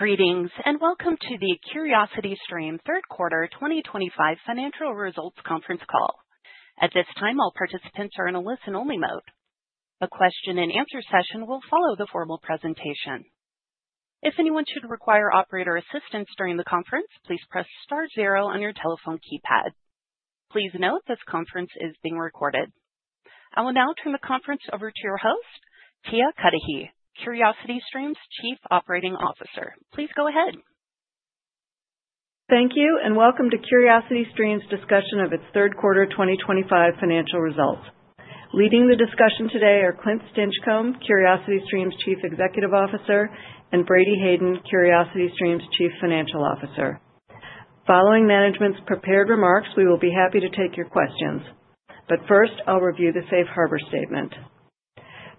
Greetings and welcome to the Curiosity Stream Third Quarter 2025 Financial Results Conference call. At this time, all participants are in a listen-only mode. The question-and-answer session will follow the formal presentation. If anyone should require operator assistance during the conference, please press *0 on your telephone keypad. Please note this conference is being recorded. I will now turn the conference over to your host, Tia Cudahy, Curiosity Stream's Chief Operating Officer. Please go ahead. Thank you and welcome to Curiosity Stream's discussion of its third quarter 2025 financial results. Leading the discussion today are Clint Stinchcomb, Curiosity Stream's Chief Executive Officer, and Brady Hayden, Curiosity Stream's Chief Financial Officer. Following management's prepared remarks, we will be happy to take your questions. But first, I'll review the safe harbor statement.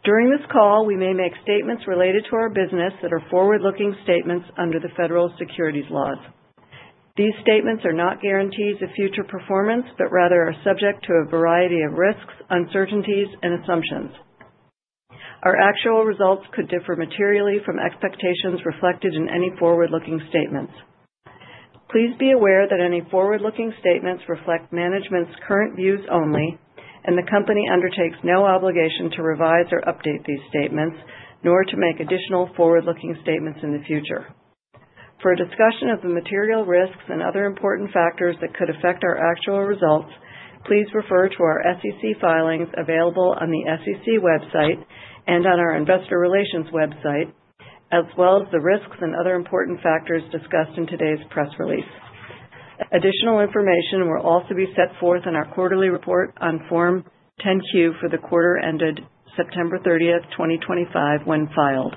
During this call, we may make statements related to our business that are forward-looking statements under the federal securities laws. These statements are not guarantees of future performance, but rather are subject to a variety of risks, uncertainties, and assumptions. Our actual results could differ materially from expectations reflected in any forward-looking statements. Please be aware that any forward-looking statements reflect management's current views only, and the company undertakes no obligation to revise or update these statements, nor to make additional forward-looking statements in the future. For a discussion of the material risks and other important factors that could affect our actual results, please refer to our SEC filings available on the SEC website and on our investor relations website, as well as the risks and other important factors discussed in today's press release. Additional information will also be set forth in our quarterly report on Form 10-Q for the quarter ended September 30th, 2025, when filed.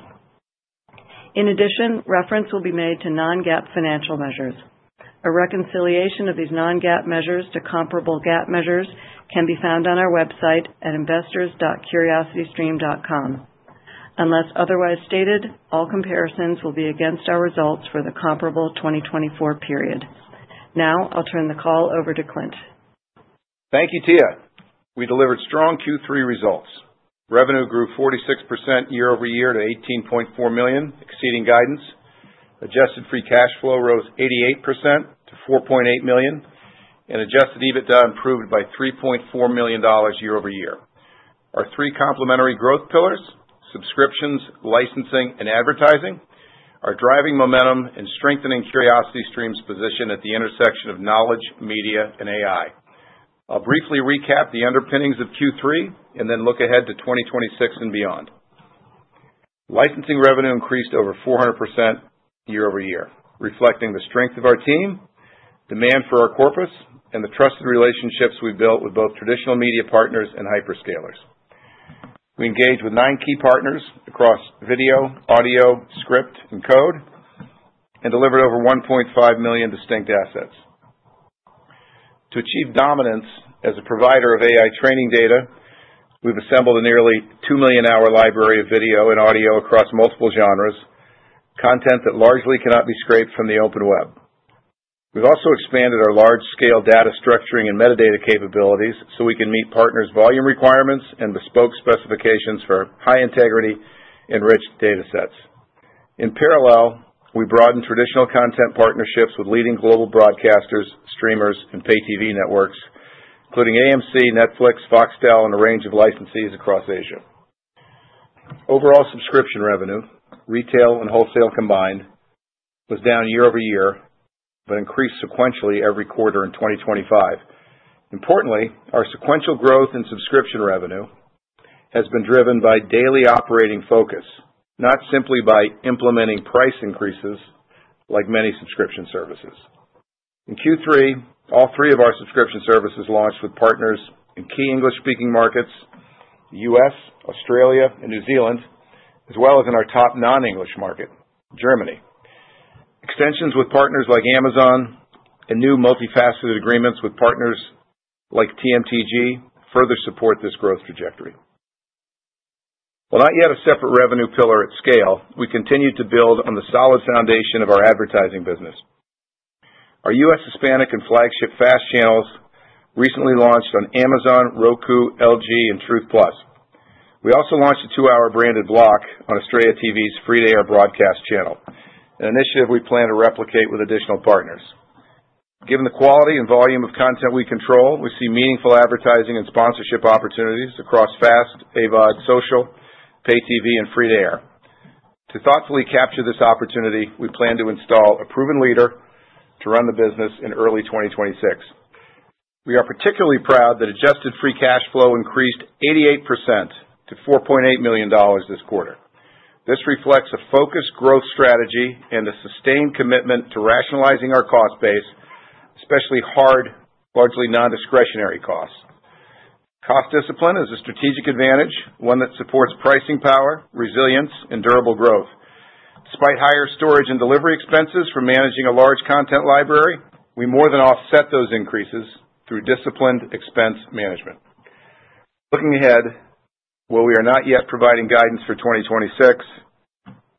In addition, reference will be made to non-GAAP financial measures. A reconciliation of these non-GAAP measures to comparable GAAP measures can be found on our website at investors.curiositystream.com. Unless otherwise stated, all comparisons will be against our results for the comparable 2024 period. Now, I'll turn the call over to Clint. Thank you, Tia. We delivered strong Q3 results. Revenue grew 46% year over year to $18.4 million, exceeding guidance. Adjusted free cash flow rose 88% to $4.8 million, and adjusted EBITDA improved by $3.4 million year over year. Our three complementary growth pillars - subscriptions, licensing, and advertising - are driving momentum and strengthening Curiosity Stream's position at the intersection of knowledge, media, and AI. I'll briefly recap the underpinnings of Q3 and then look ahead to 2026 and beyond. Licensing revenue increased over 400% year over year, reflecting the strength of our team, demand for our corpus, and the trusted relationships we built with both traditional media partners and hyperscalers. We engaged with nine key partners across video, audio, script, and code, and delivered over 1.5 million distinct assets. To achieve dominance as a provider of AI training data, we've assembled a nearly two million-hour library of video and audio across multiple genres, content that largely cannot be scraped from the open web. We've also expanded our large-scale data structuring and metadata capabilities so we can meet partners' volume requirements and bespoke specifications for high-integrity, enriched data sets. In parallel, we broadened traditional content partnerships with leading global broadcasters, streamers, and pay-TV networks, including AMC, Netflix, Foxtel, and a range of licensees across Asia. Overall subscription revenue, retail and wholesale combined, was down year over year, but increased sequentially every quarter in 2025. Importantly, our sequential growth in subscription revenue has been driven by daily operating focus, not simply by implementing price increases like many subscription services. In Q3, all three of our subscription services launched with partners in key English-speaking markets, the U.S., Australia, and New Zealand, as well as in our top non-English market, Germany. Extensions with partners like Amazon and new multifaceted agreements with partners like TMTG further support this growth trajectory. While not yet a separate revenue pillar at scale, we continue to build on the solid foundation of our advertising business. Our U.S. Hispanic and flagship FAST channels recently launched on Amazon, Roku, LG, and Truth+. We also launched a two-hour branded block on Australian TV's free-to-air broadcast channel, an initiative we plan to replicate with additional partners. Given the quality and volume of content we control, we see meaningful advertising and sponsorship opportunities across FAST, AVOD, Social, pay-TV, and free-to-air. To thoughtfully capture this opportunity, we plan to install a proven leader to run the business in early 2026. We are particularly proud that adjusted free cash flow increased 88% to $4.8 million this quarter. This reflects a focused growth strategy and a sustained commitment to rationalizing our cost base, especially hard, largely non-discretionary costs. Cost discipline is a strategic advantage, one that supports pricing power, resilience, and durable growth. Despite higher storage and delivery expenses for managing a large content library, we more than offset those increases through disciplined expense management. Looking ahead, while we are not yet providing guidance for 2026,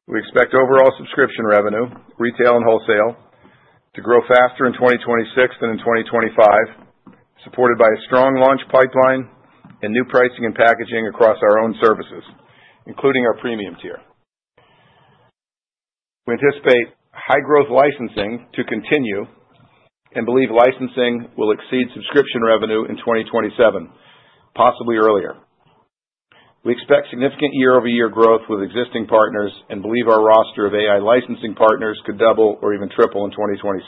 we expect overall subscription revenue, retail and wholesale, to grow faster in 2026 than in 2025, supported by a strong launch pipeline and new pricing and packaging across our own services, including our premium tier. We anticipate high-growth licensing to continue, and believe licensing will exceed subscription revenue in 2027, possibly earlier. We expect significant year-over-year growth with existing partners and believe our roster of AI licensing partners could double or even triple in 2026.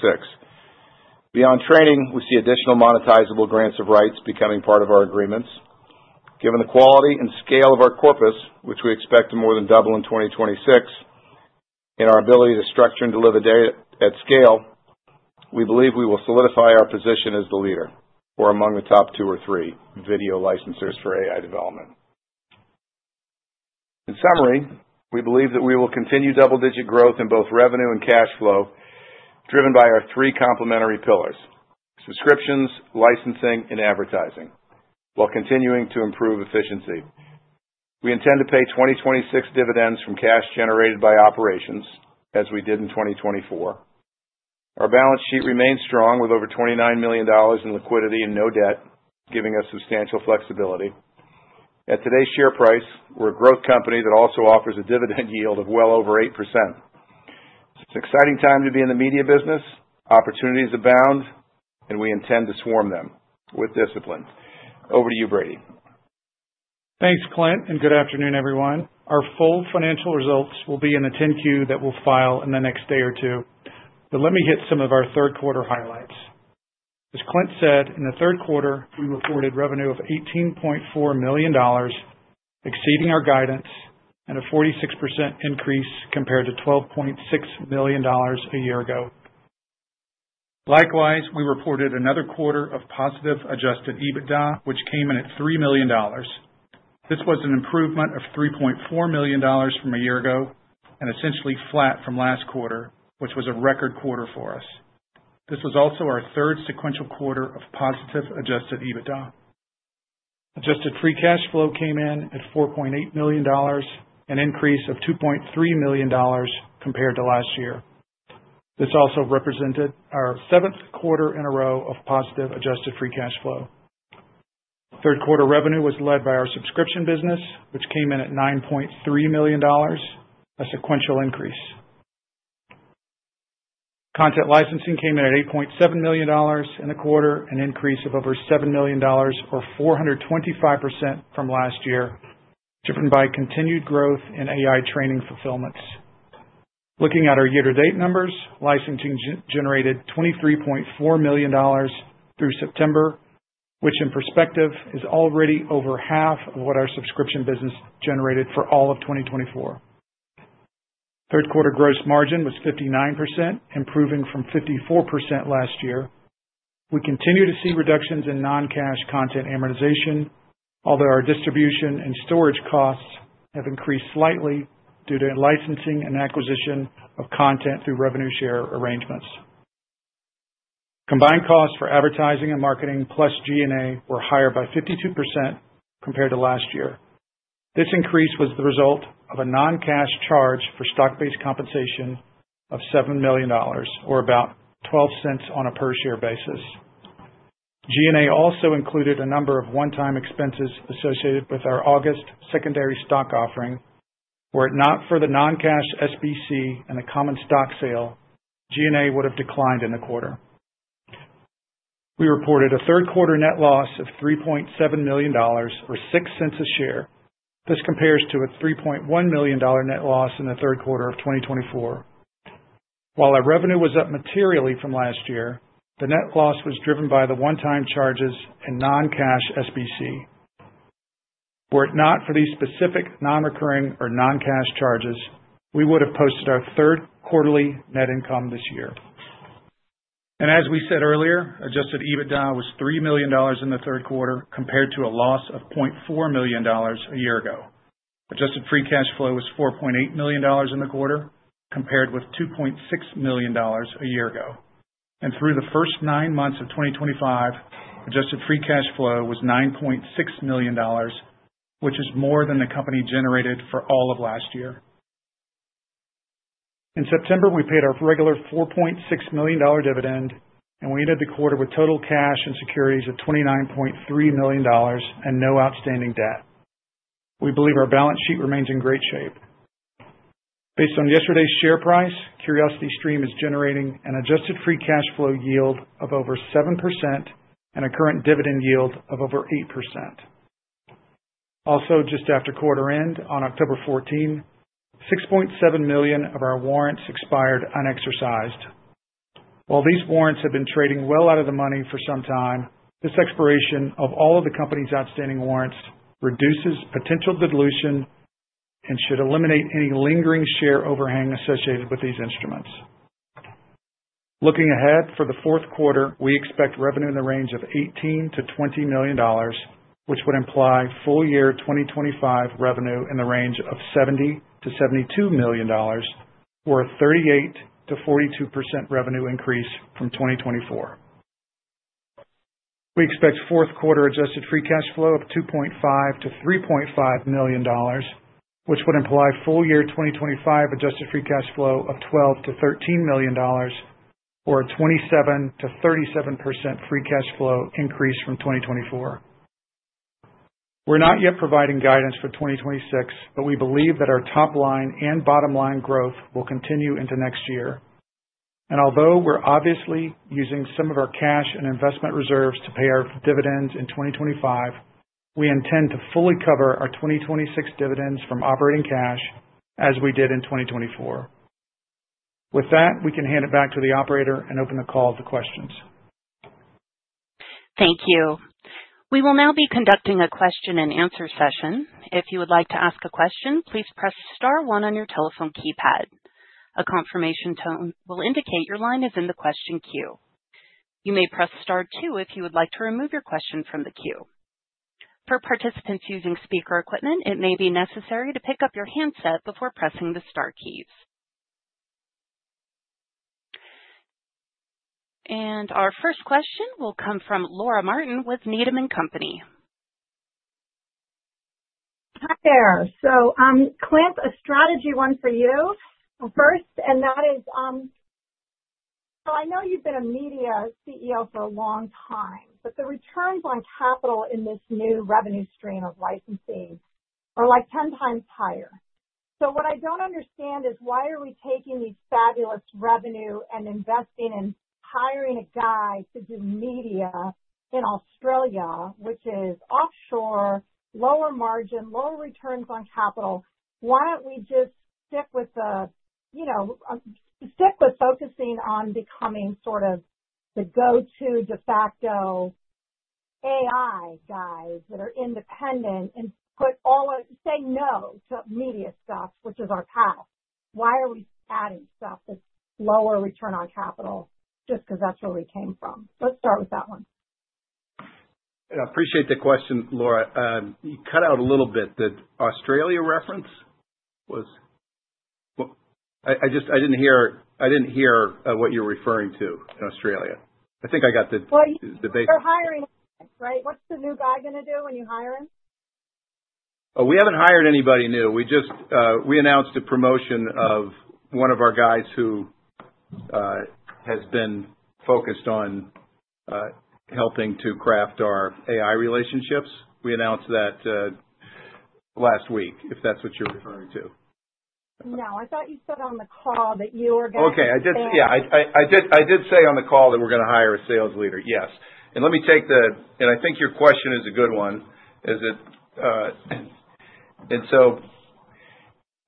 Beyond training, we see additional monetizable grants of rights becoming part of our agreements. Given the quality and scale of our corpus, which we expect to more than double in 2026, and our ability to structure and deliver data at scale, we believe we will solidify our position as the leader or among the top two or three video licensors for AI development. In summary, we believe that we will continue double-digit growth in both revenue and cash flow, driven by our three complementary pillars: subscriptions, licensing, and advertising, while continuing to improve efficiency. We intend to pay 2026 dividends from cash generated by operations, as we did in 2024. Our balance sheet remains strong with over $29 million in liquidity and no debt, giving us substantial flexibility. At today's share price, we're a growth company that also offers a dividend yield of well over 8%. It's an exciting time to be in the media business. Opportunities abound, and we intend to swarm them with discipline. Over to you, Brady. Thanks, Clint, and good afternoon, everyone. Our full financial results will be in the 10-Q that we'll file in the next day or two. But let me hit some of our third quarter highlights. As Clint said, in third quarter, we reported revenue of $18.4 million, exceeding our guidance, and a 46% increase compared to $12.6 million a year ago. Likewise, we reported another quarter of positive adjusted EBITDA, which came in at $3 million. This was an improvement of $3.4 million from a year ago and essentially flat from last quarter, which was a record quarter for us. This was also our third sequential quarter of positive adjusted EBITDA. Adjusted free cash flow came in at $4.8 million, an increase of $2.3 million compared to last year. This also represented our seventh quarter in a row of positive adjusted free cash flow. Third quarter revenue was led by our subscription business, which came in at $9.3 million, a sequential increase. Content licensing came in at $8.7 million in the quarter, an increase of over $7 million, or 425% from last year, driven by continued growth in AI training fulfillments. Looking at our year-to-date numbers, licensing generated $23.4 million through September, which in perspective is already over half of what our subscription business generated for all of 2024. Third quarter gross margin was 59%, improving from 54% last year. We continue to see reductions in non-cash content amortization, although our distribution and storage costs have increased slightly due to licensing and acquisition of content through revenue share arrangements. Combined costs for advertising and marketing plus G&A were higher by 52% compared to last year. This increase was the result of a non-cash charge for stock-based compensation of $7 million, or about $0.12 on a per-share basis. G&A also included a number of one-time expenses associated with our August secondary stock offering, where if not for the non-cash SBC and the common stock sale, G&A would have declined in the quarter. We reported a third quarter net loss of $3.7 million, or $0.06 a share. This compares to a $3.1 million net loss in third quarter of 2024. While our revenue was up materially from last year, the net loss was driven by the one-time charges and non-cash SBC. Were it not for these specific non-recurring or non-cash charges, we would have posted our third quarterly net income this year. And as we said earlier, adjusted EBITDA was $3 million in the third quarter compared to a loss of $0.4 million a year ago. Adjusted free cash flow was $4.8 million in the quarter, compared with $2.6 million a year ago, and through the first nine months of 2025, adjusted free cash flow was $9.6 million, which is more than the company generated for all of last year. In September, we paid our regular $4.6 million dividend, and we ended the quarter with total cash and securities of $29.3 million and no outstanding debt. We believe our balance sheet remains in great shape. Based on yesterday's share price, Curiosity Stream is generating an adjusted free cash flow yield of over 7% and a current dividend yield of over 8%. Also, just after quarter end, on October 14, 6.7 million of our warrants expired unexercised. While these warrants have been trading well out of the money for some time, this expiration of all of the company's outstanding warrants reduces potential dilution and should eliminate any lingering share overhang associated with these instruments. Looking ahead for fourth quarter, we expect revenue in the range of $18-$20 million, which would imply full year 2025 revenue in the range of $70-$72 million, or a 38%-42% revenue increase from 2024. We expect fourth quarter adjusted free cash flow of $2.5-$3.5 million, which would imply full year 2025 adjusted free cash flow of $12-$13 million, or a 27%-37% free cash flow increase from 2024. We're not yet providing guidance for 2026, but we believe that our top-line and bottom-line growth will continue into next year. And although we're obviously using some of our cash and investment reserves to pay our dividends in 2025, we intend to fully cover our 2026 dividends from operating cash, as we did in 2024. With that, we can hand it back to the operator and open the call to questions. Thank you. We will now be conducting a question-and-answer session. If you would like to ask a question, please press star one on your telephone keypad. A confirmation tone will indicate your line is in the question queue. You may press star two if you would like to remove your question from the queue. For participants using speaker equipment, it may be necessary to pick up your handset before pressing the star keys, and our first question will come from Laura Martin with Needham & Company. Hi there. So, Clint, a strategy one for you first, and that is, so I know you've been a media CEO for a long time, but the returns on capital in this new revenue stream of licensing are like 10 times higher. So what I don't understand is why are we taking these fabulous revenue and investing in hiring a guy to do media in Australia, which is offshore, lower margin, lower returns on capital? Why don't we just stick with the, you know, stick with focusing on becoming sort of the go-to de facto AI guys that are independent and put all, say no to media stuff, which is our path? Why are we adding stuff that's lower return on capital just because that's where we came from? Let's start with that one. I appreciate the question, Laura. You cut out a little bit. The Australia reference was, I just, I didn't hear what you're referring to in Australia. I think I got the basic. Well, you're hiring him, right? What's the new guy going to do when you hire him? Oh, we haven't hired anybody new. We just, we announced a promotion of one of our guys who has been focused on helping to craft our AI relationships. We announced that last week, if that's what you're referring to. No, I thought you said on the call that you were going to. Okay, yeah, I did say on the call that we're going to hire a sales leader, yes, and I think your question is a good one, and so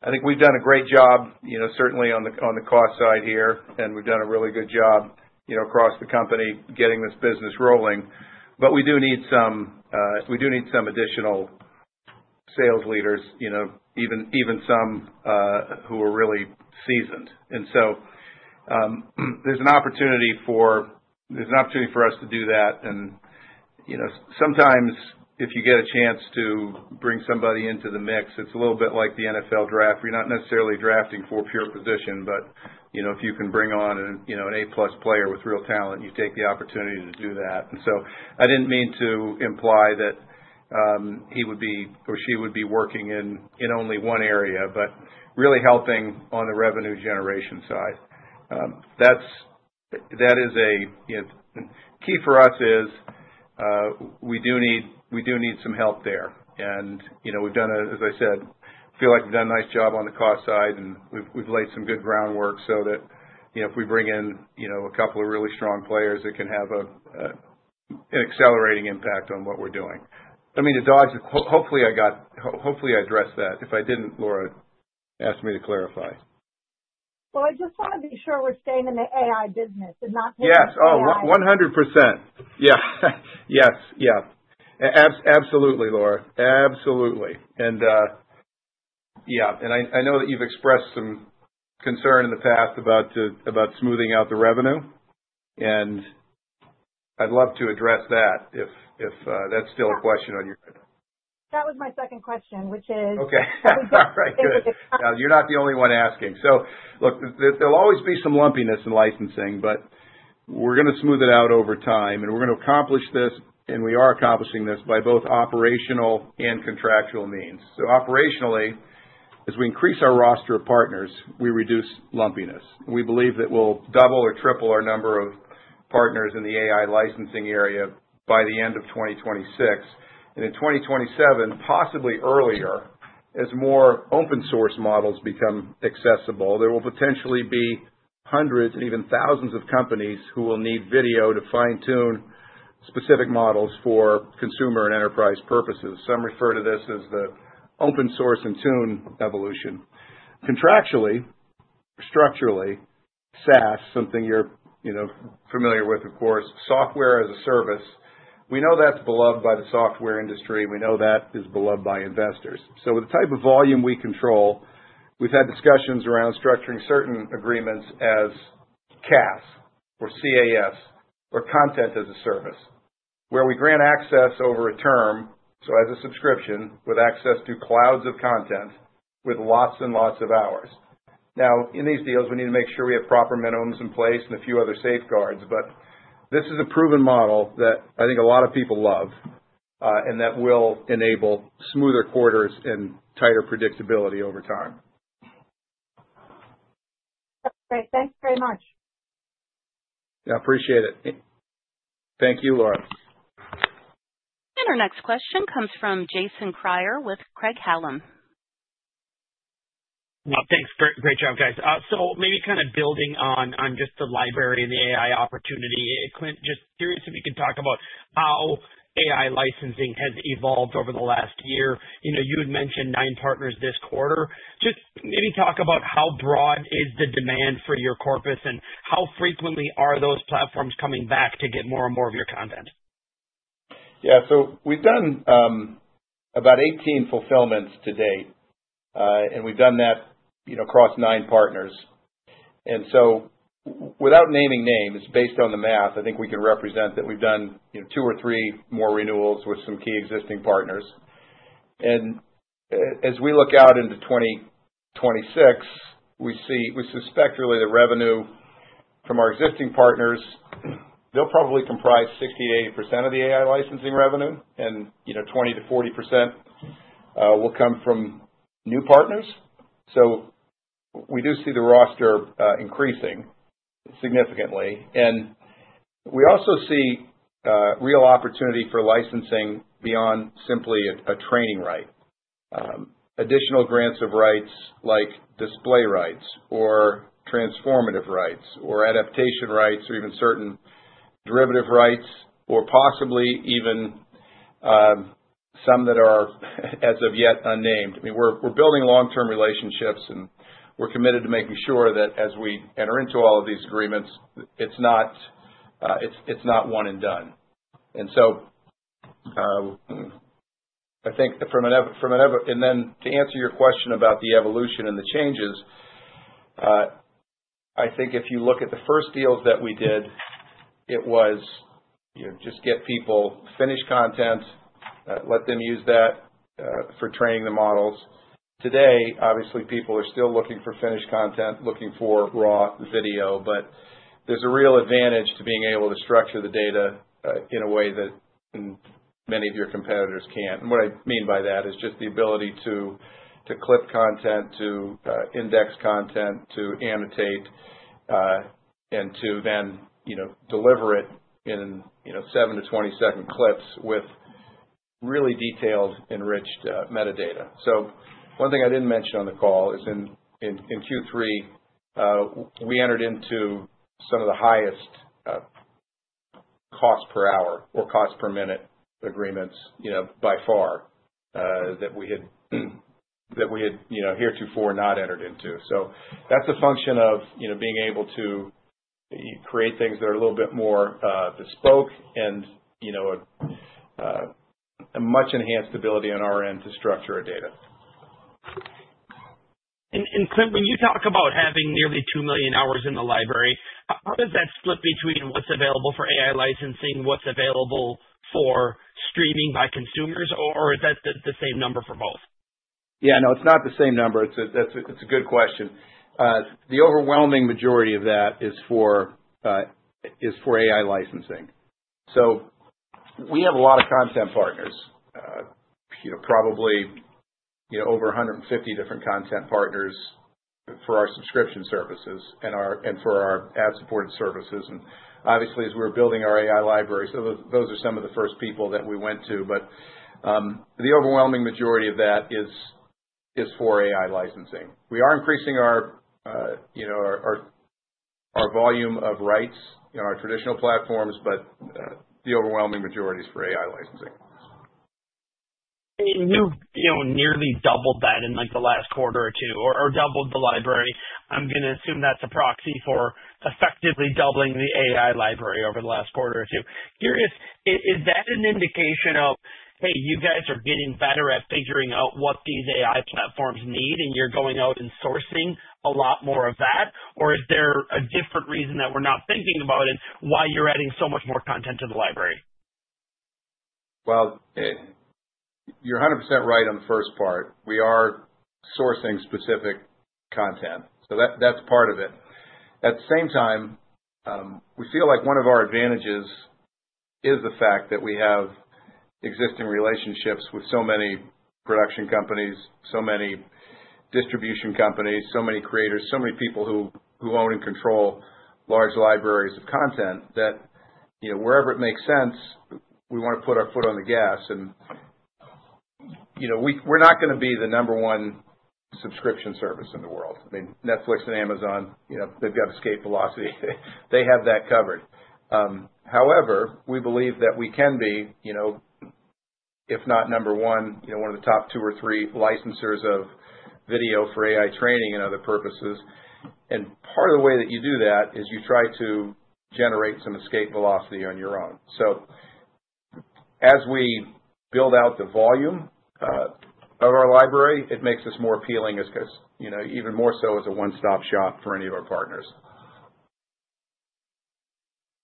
I think we've done a great job, you know, certainly on the cost side here, and we've done a really good job, you know, across the company getting this business rolling. But we do need some additional sales leaders, you know, even some who are really seasoned, and so there's an opportunity for us to do that. You know, sometimes if you get a chance to bring somebody into the mix, it's a little bit like the NFL draft. You're not necessarily drafting for pure position, but, you know, if you can bring on an, you know, A-plus player with real talent, you take the opportunity to do that. And so I didn't mean to imply that he would be, or she would be working in, in only one area, but really helping on the revenue generation side. That is a, you know, key for us is we do need, we do need some help there. And, you know, as I said, feel like we've done a nice job on the cost side, and we've laid some good groundwork so that, you know, if we bring in, you know, a couple of really strong players, it can have an accelerating impact on what we're doing. I mean, to dodge, hopefully I got, hopefully I addressed that. If I didn't, Laura, ask me to clarify. I just want to be sure we're staying in the AI business and not. Yes, oh, 100%. Yeah. Yes, yeah. Absolutely, Laura. Absolutely. And, yeah, and I know that you've expressed some concern in the past about smoothing out the revenue, and I'd love to address that if, if that's still a question on your end. That was my second question, which is. Okay. All right, good. You're not the only one asking, so look, there'll always be some lumpiness in licensing, but we're going to smooth it out over time, and we're going to accomplish this, and we are accomplishing this by both operational and contractual means, so operationally, as we increase our roster of partners, we reduce lumpiness. We believe that we'll double or triple our number of partners in the AI licensing area by the end of 2026, and in 2027, possibly earlier, as more open-source models become accessible, there will potentially be hundreds and even thousands of companies who will need video to fine-tune specific models for consumer and enterprise purposes. Some refer to this as the open-source and tune evolution. Contractually, structurally, SaaS, something you're, you know, familiar with, of course, software as a service. We know that's beloved by the software industry. We know that is beloved by investors. So with the type of volume we control, we've had discussions around structuring certain agreements as CaaS, or content as a service, where we grant access over a term, so as a subscription, with access to loads of content with lots and lots of hours. Now, in these deals, we need to make sure we have proper minimums in place and a few other safeguards. But this is a proven model that I think a lot of people love and that will enable smoother quarters and tighter predictability over time. That's great. Thanks very much. Yeah, appreciate it. Thank you, Laura. Our next question comes from Jason Kreyer with Craig-Hallum. Well, thanks. Great, great job, guys. So maybe kind of building on just the library and the AI opportunity, Clint, just curious if you could talk about how AI licensing has evolved over the last year. You know, you had mentioned nine partners this quarter. Just maybe talk about how broad is the demand for your corpus and how frequently are those platforms coming back to get more and more of your content? Yeah, so we've done about 18 fulfillments to date, and we've done that, you know, across nine partners. And so without naming names, based on the math, I think we can represent that we've done, you know, two or three more renewals with some key existing partners. And as we look out into 2026, we see, we suspect really the revenue from our existing partners, they'll probably comprise 60%-80% of the AI licensing revenue, and, you know, 20%-40% will come from new partners. So we do see the roster increasing significantly. And we also see real opportunity for licensing beyond simply a training right. Additional grants of rights like display rights or transformative rights or adaptation rights or even certain derivative rights or possibly even some that are as of yet unnamed. I mean, we're building long-term relationships, and we're committed to making sure that as we enter into all of these agreements, it's not one and done, and so I think from an, and then to answer your question about the evolution and the changes, I think if you look at the first deals that we did, it was, you know, just get people finished content, let them use that for training the models. Today, obviously, people are still looking for finished content, looking for raw video, but there's a real advantage to being able to structure the data in a way that many of your competitors can't, and what I mean by that is just the ability to clip content, to index content, to annotate, and to then, you know, deliver it in, you know, seven to 20-second clips with really detailed enriched metadata. So one thing I didn't mention on the call is in Q3, we entered into some of the highest cost per hour or cost per minute agreements, you know, by far that we had, you know, heretofore not entered into. So that's a function of, you know, being able to create things that are a little bit more bespoke and, you know, a much enhanced ability on our end to structure our data. Clint, when you talk about having nearly two million hours in the library, how does that split between what's available for AI licensing, what's available for streaming by consumers, or is that the same number for both? Yeah, no, it's not the same number. It's a good question. The overwhelming majority of that is for AI licensing. So we have a lot of content partners, you know, probably, you know, over 150 different content partners for our subscription services and for our ad-supported services. And obviously, as we're building our AI library, so those are some of the first people that we went to, but the overwhelming majority of that is for AI licensing. We are increasing our, you know, our volume of rights on our traditional platforms, but the overwhelming majority is for AI licensing. You've, you know, nearly doubled that in like the last quarter or two or doubled the library. I'm going to assume that's a proxy for effectively doubling the AI library over the last quarter or two. Curious, is that an indication of, hey, you guys are getting better at figuring out what these AI platforms need and you're going out and sourcing a lot more of that? Or is there a different reason that we're not thinking about it, why you're adding so much more content to the library? You're 100% right on the first part. We are sourcing specific content. So that, that's part of it. At the same time, we feel like one of our advantages is the fact that we have existing relationships with so many production companies, so many distribution companies, so many creators, so many people who own and control large libraries of content that, you know, wherever it makes sense, we want to put our foot on the gas. And, you know, we're not going to be the number one subscription service in the world. I mean, Netflix and Amazon, you know, they've got escape velocity. They have that covered. However, we believe that we can be, you know, if not number one, you know, one of the top two or three licensors of video for AI training and other purposes. And part of the way that you do that is you try to generate some escape velocity on your own. So as we build out the volume of our library, it makes us more appealing as, you know, even more so as a one-stop shop for any of our partners.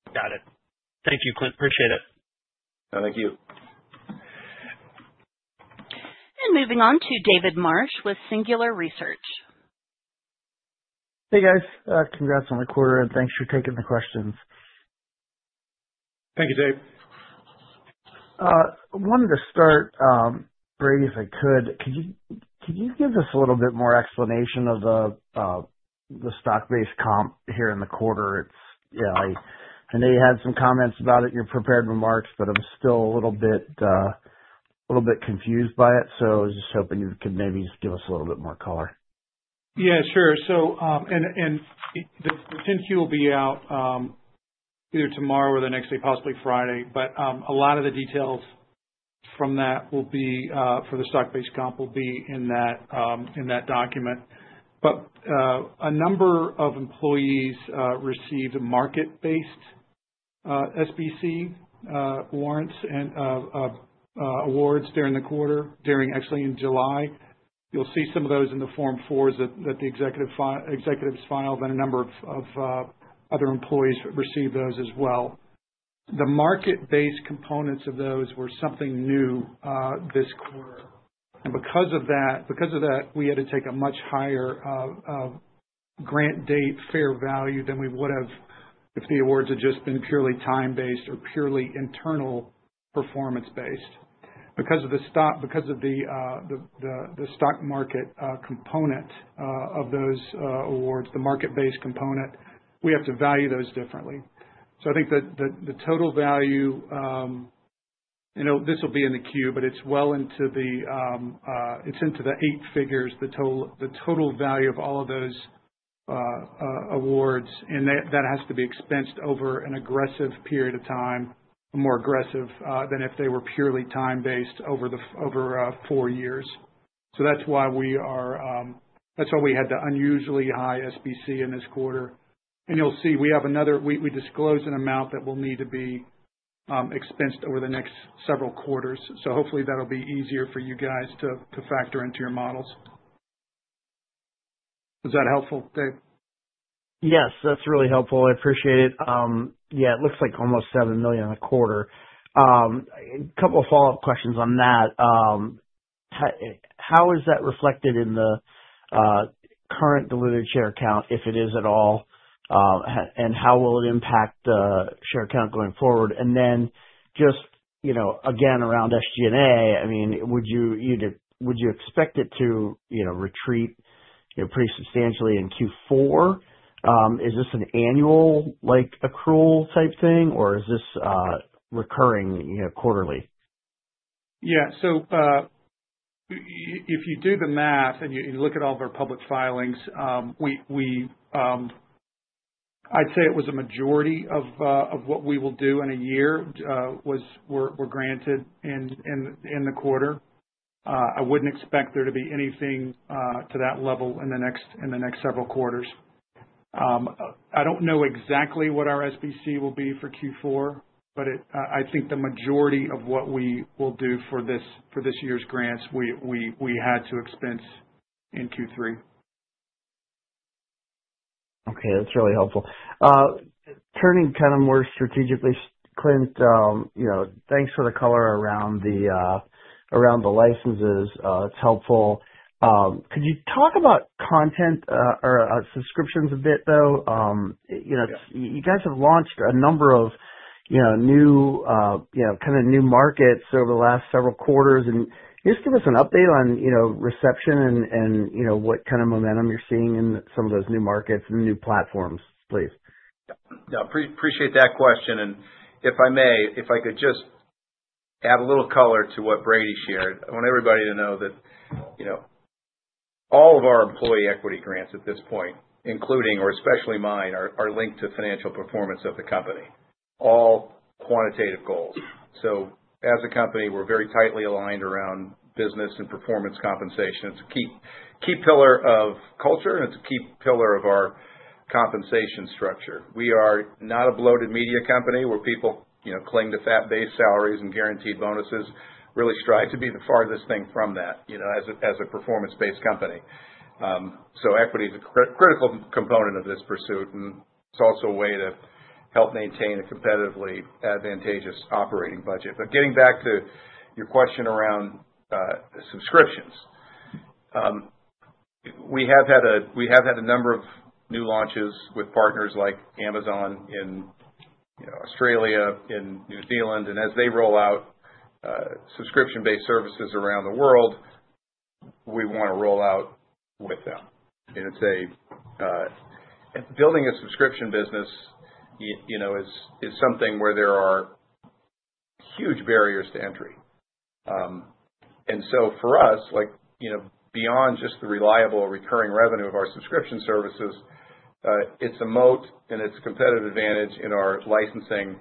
Got it. Thank you, Clint. Appreciate it. Thank you. Moving on to David Marsh with Singular Research. Hey, guys. Congrats on the quarter, and thanks for taking the questions. Thank you, Dave. I wanted to start, Brady, if I could. Could you give us a little bit more explanation of the stock-based comp here in the quarter? It's, yeah, I know you had some comments about it in your prepared remarks, but I'm still a little bit confused by it. So I was just hoping you could maybe just give us a little bit more color. Yeah, sure. The 10-Q will be out either tomorrow or the next day, possibly Friday. A lot of the details from that will be for the stock-based comp in that document. A number of employees received market-based SBC warrants and awards during the quarter, actually in July. You'll see some of those in the Form 4s that the executives filed, and a number of other employees received those as well. The market-based components of those were something new this quarter. Because of that, we had to take a much higher grant date fair value than we would have if the awards had just been purely time-based or purely internal performance-based. Because of the stock market component of those awards, the market-based component, we have to value those differently. So I think that the total value, you know, this will be in the queue, but it's into the eight figures, the total value of all of those awards, and that has to be expensed over an aggressive period of time, a more aggressive than if they were purely time-based over four years. That's why we had the unusually high SBC in this quarter. And you'll see we have another, we disclosed an amount that will need to be expensed over the next several quarters. So hopefully that'll be easier for you guys to factor into your models. Was that helpful, Dave? Yes, that's really helpful. I appreciate it. Yeah, it looks like almost seven million in the quarter. A couple of follow-up questions on that. How is that reflected in the current diluted share count, if it is at all, and how will it impact the share count going forward? And then just, you know, again, around SG&A, I mean, would you expect it to, you know, retreat, you know, pretty substantially in Q4? Is this an annual, like, accrual type thing, or is this recurring, you know, quarterly? Yeah. So if you do the math and you look at all of our public filings, we, I'd say it was a majority of what we will do in a year was, were granted in the quarter. I wouldn't expect there to be anything to that level in the next several quarters. I don't know exactly what our SBC will be for Q4, but I think the majority of what we will do for this year's grants, we had to expense in Q3. Okay. That's really helpful. Turning kind of more strategically, Clint, you know, thanks for the color around the licenses. It's helpful. Could you talk about content or subscriptions a bit, though? You know, you guys have launched a number of, you know, new, you know, kind of new markets over the last several quarters. Just give us an update on, you know, reception and you know, what kind of momentum you're seeing in some of those new markets and new platforms, please. Yeah. Yeah, appreciate that question, and if I may, if I could just add a little color to what Brady shared, I want everybody to know that, you know, all of our employee equity grants at this point, including or especially mine, are linked to financial performance of the company, all quantitative goals, so as a company, we're very tightly aligned around business and performance compensation. It's a key, key pillar of culture, and it's a key pillar of our compensation structure. We are not a bloated media company where people, you know, cling to fat-based salaries and guaranteed bonuses. We really strive to be the farthest thing from that, you know, as a, as a performance-based company. So equity is a critical component of this pursuit, and it's also a way to help maintain a competitively advantageous operating budget. But getting back to your question around subscriptions, we have had a number of new launches with partners like Amazon in, you know, Australia, in New Zealand. And as they roll out subscription-based services around the world, we want to roll out with them. And it's building a subscription business, you know, is something where there are huge barriers to entry. And so for us, like, you know, beyond just the reliable recurring revenue of our subscription services, it's a moat and it's a competitive advantage in our licensing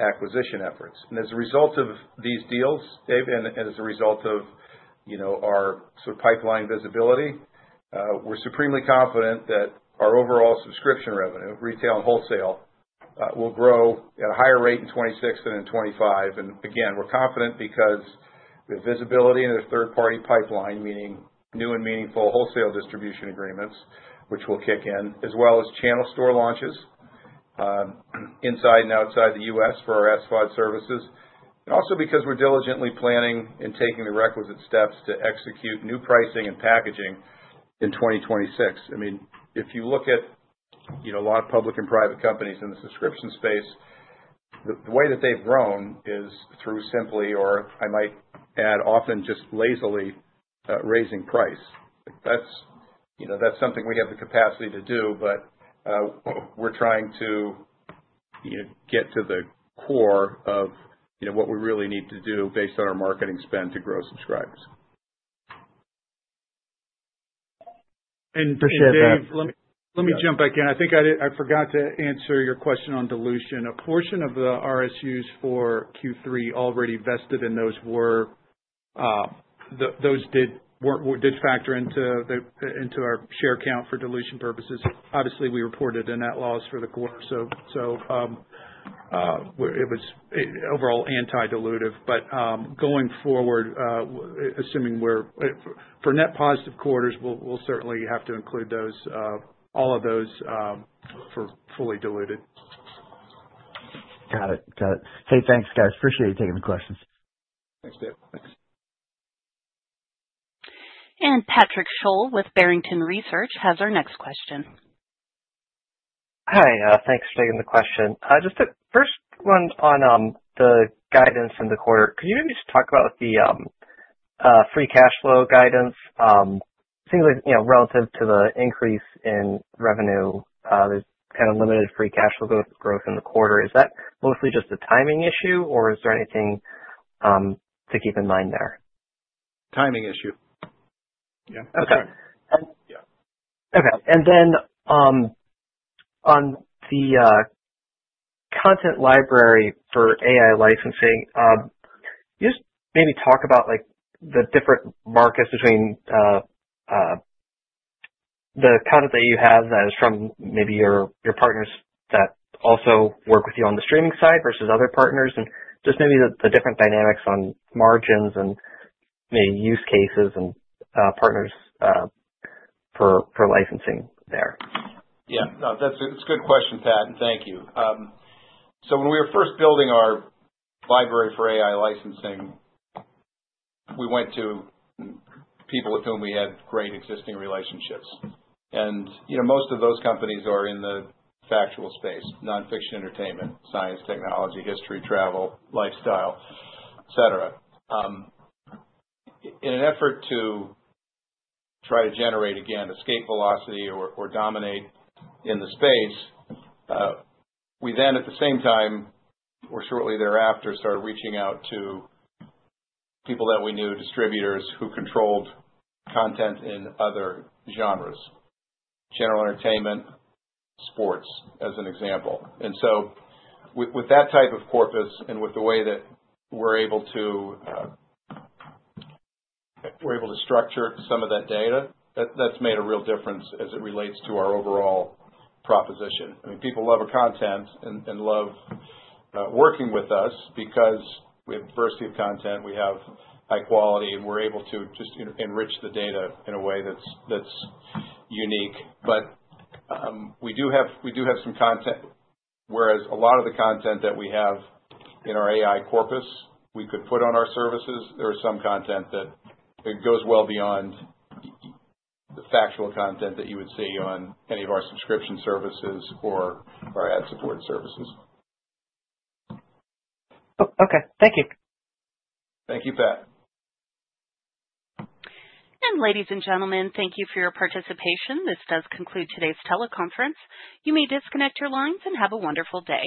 acquisition efforts. And as a result of these deals, Dave, you know, our sort of pipeline visibility, we're supremely confident that our overall subscription revenue, retail and wholesale, will grow at a higher rate in 2026 than in 2025. Again, we're confident because the visibility in their third-party pipeline, meaning new and meaningful wholesale distribution agreements, which will kick in, as well as channel store launches inside and outside the U.S. for our SVOD services, and also because we're diligently planning and taking the requisite steps to execute new pricing and packaging in 2026. I mean, if you look at, you know, a lot of public and private companies in the subscription space, the way that they've grown is through simply, or I might add, often just lazily raising price. That's, you know, that's something we have the capacity to do, but we're trying to, you know, get to the core of, you know, what we really need to do based on our marketing spend to grow subscribers. Dave, let me jump back in. I think I forgot to answer your question on dilution. A portion of the RSUs for Q3 already vested. Those did factor into our share count for dilution purposes. Obviously, we reported a net loss for the quarter. So it was overall anti-dilutive. But going forward, assuming we're for net positive quarters, we'll certainly have to include all of those for fully diluted. Got it. Got it. Hey, thanks, guys. Appreciate you taking the questions. Thanks, Dave. Thanks. Patrick Sholl with Barrington Research has our next question. Hi. Thanks for taking the question. Just the first one on the guidance in the quarter, could you maybe just talk about the free cash flow guidance? Seems like, you know, relative to the increase in revenue, there's kind of limited free cash flow growth in the quarter. Is that mostly just a timing issue, or is there anything to keep in mind there? Timing issue. Yeah. Okay. And then on the content library for AI licensing, just maybe talk about, like, the different markets between the content that you have that is from maybe your partners that also work with you on the streaming side versus other partners, and just maybe the different dynamics on margins and maybe use cases and partners for licensing there. Yeah. No, that's a, it's a good question, Pat, and thank you. So when we were first building our library for AI licensing, we went to people with whom we had great existing relationships. And, you know, most of those companies are in the factual space, nonfiction entertainment, science, technology, history, travel, lifestyle, etc. In an effort to try to generate, again, escape velocity or dominate in the space, we then, at the same time, or shortly thereafter, started reaching out to people that we knew, distributors who controlled content in other genres, general entertainment, sports, as an example. And so with that type of corpus and with the way that we're able to structure some of that data, that's made a real difference as it relates to our overall proposition. I mean, people love our content and love working with us because we have diversity of content, we have high quality, and we're able to just enrich the data in a way that's unique. But we do have some content, whereas a lot of the content that we have in our AI corpus, we could put on our services. There is some content that goes well beyond the factual content that you would see on any of our subscription services or our ad-supported services. Okay. Thank you. Thank you, Pat. Ladies and gentlemen, thank you for your participation. This does conclude today's teleconference. You may disconnect your lines and have a wonderful day.